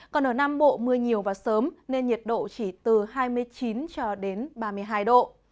còn ở nam bộ mưa nhiều và sớm nên nhiệt độ chỉ từ hai mươi chín cho đến ba mươi hai độ